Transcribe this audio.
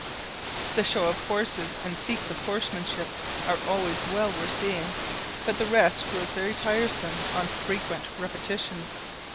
The show of horses and feats of horsemanship are always well worth seeing, but the rest grows very tiresome on frequent repetition.